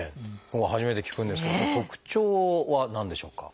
僕も初めて聞くんですけど特徴は何でしょうか？